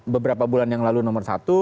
beberapa bulan yang lalu nomor satu